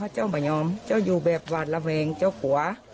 เจ้าไม่ยอมเจ้าอยู่แบบหวาดระแวงเจ้าตัว